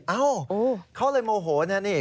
เอ้าเขาเลยโมโหนะนี่